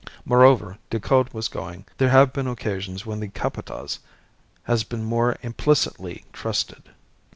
Moreover, Decoud was going. There have been occasions when the Capataz has been more implicitly trusted."